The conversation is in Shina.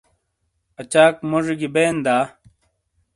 اچاک موڇی گی بین دا؟